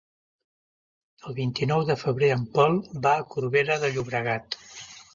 El vint-i-nou de febrer en Pol va a Corbera de Llobregat.